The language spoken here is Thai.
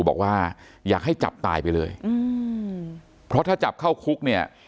บอกว่าอยากให้จับตายไปเลยอืมเพราะถ้าจับเข้าคุกเนี่ย